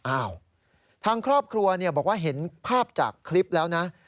อ้าวทางครอบครัวบอกว่าเห็นภาพจากคลิปแล้วนะ